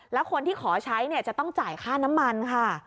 แล้วคนที่ขอใช้จะต้องจ่ายค่าน้ำมันค่ะ